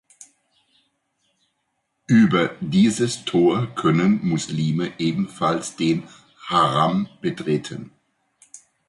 Über dieses Tor können Muslime ebenfalls den Haram betreten.